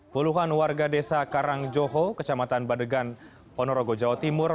puluhan warga desa karangjoho kecamatan badegan ponorogo jawa timur